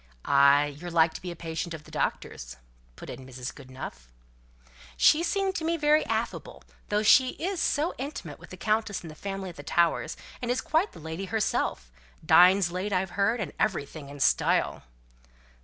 "Ay, you're like to be a patient of the doctor's," put in Mrs. Goodenough. "She seemed to me very affable, though she is so intimate with the Countess and the family at the Towers; and is quite the lady herself; dines late, I've heard, and everything in style."